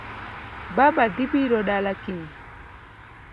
Baba dhi biro dala kiny